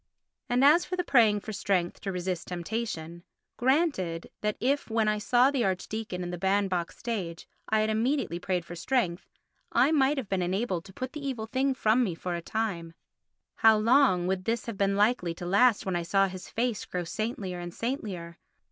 And as for praying for strength to resist temptation—granted that if, when I saw the archdeacon in the band box stage, I had immediately prayed for strength I might have been enabled to put the evil thing from me for a time, how long would this have been likely to last when I saw his face grow saintlier and saintlier?